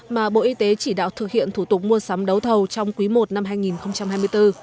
mà bộ y tế chỉ đạo thực hiện thủ tục mua sắm đấu thầu trong quý i năm hai nghìn hai mươi bốn